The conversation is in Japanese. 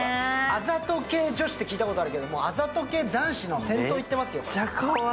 あざけ系女子って聞いたことあるけどあざと系男子の先頭行ってますよ。